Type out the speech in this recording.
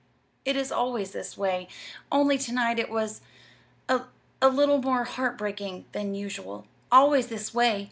"It is always this way, only to night it was a a little more heart breaking than usual." "'Always this way'!